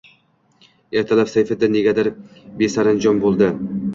Ertalab Sayfiddin negadir besaranjom bo‘ldi